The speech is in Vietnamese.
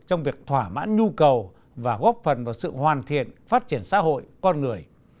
trong việc thỏa mãn nhu cầu và góp phần vào sự hoàn thiện phát triển xã hội con người